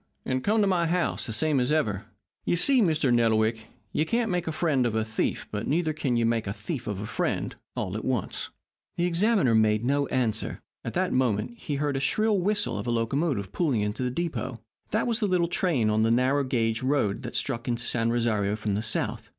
And come to my house, the same as ever.' You see, Mr. Nettlewick, you can't make a friend of a thief, but neither can you make a thief of a friend, all at once." The examiner made no answer. At that moment was heard the shrill whistle of a locomotive pulling into the depot. That was the train on the little, narrow gauge road that struck into San Rosario from the south.